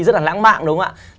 rất là lãng mạn đúng không ạ